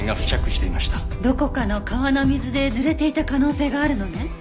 どこかの川の水で濡れていた可能性があるのね？